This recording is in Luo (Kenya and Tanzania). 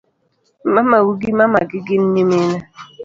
Mamau gi mamagi gin nyimine